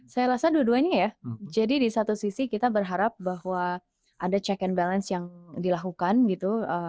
saya rasa dua duanya ya jadi di satu sisi kita berharap bahwa ada check and balance yang dilakukan gitu